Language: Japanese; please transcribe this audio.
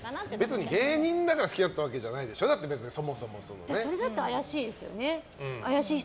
別に芸人だから付き合ったわけじゃそれだって怪しいですよね。